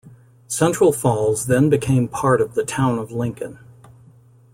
Central Falls then became part of the town of Lincoln.